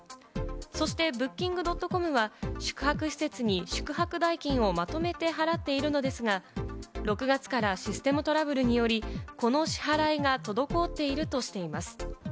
そしてＢｏｏｋｉｎｇ．ｃｏｍは宿泊施設に宿泊代金をまとめて払っているのですが、６月からシステムトラブルによりこの支払いが滞っているとしています。